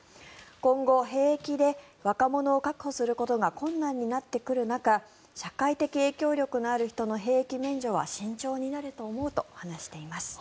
今後、兵役で若者を確保することが困難になってくる中社会的影響力のある人の兵役免除は慎重になると思うと話しています。